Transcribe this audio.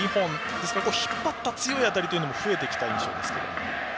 ですから、引っ張った強い当たりも増えてきた印象です。